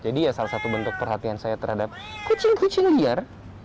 jadi ya salah satu bentuk perhatian saya terhadap kucing kucing liar